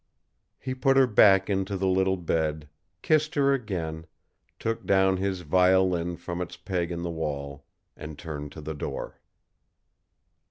He put her back into the little bed, kissed her again, took down his violin from its peg in the wall, and turned to the door.